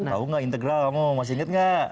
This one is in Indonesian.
tau gak integral kamu masih inget gak